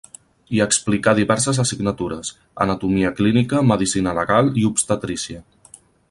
Hi explicà diverses assignatures: anatomia clínica, medicina legal i obstetrícia.